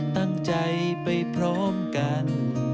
ตั้งใจไปพร้อมกัน